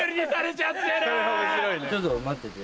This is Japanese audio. ちょっと待ってて。